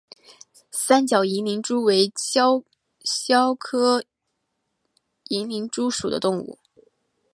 三角银鳞蛛为肖鞘科银鳞蛛属的动物。